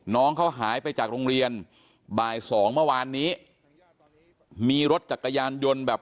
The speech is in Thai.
น้องเขาหายไปจากโรงเรียนบ่ายสองเมื่อวานนี้มีรถจักรยานยนต์แบบ